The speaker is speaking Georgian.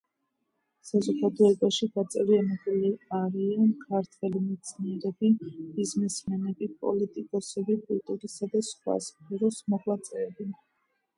საზოგადოებაში გაწევრიანებული არიან ქართველი მეცნიერები, ბიზნესმენები, პოლიტიკოსები, კულტურისა და სხვა სფეროს მოღვაწეები.